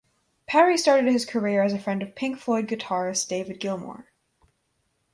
Parry started his career as a friend of Pink Floyd guitarist David Gilmour.